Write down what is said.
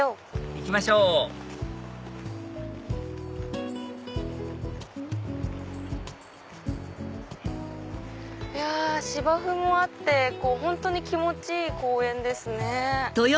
行きましょういや芝生もあって本当に気持ちいい公園ですね。